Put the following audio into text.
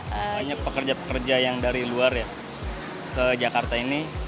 banyak pekerja pekerja yang dari luar ya ke jakarta ini